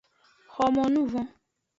Xomonuvon.